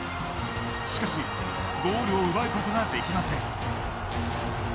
しかしゴールを奪うことはできません。